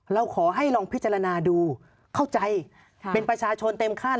เราขอให้ลองพิจารณาดูเข้าใจเป็นประชาชนเต็มขั้น